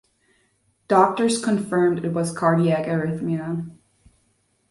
Doctors confirmed it was cardiac arrhythmia.